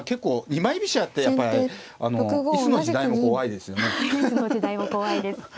二枚飛車ってやっぱりいつの時代も怖いですよね。